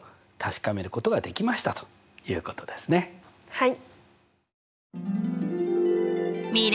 はい。